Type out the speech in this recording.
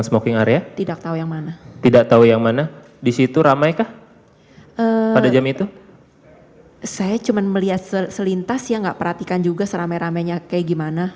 minta waktu yang berulang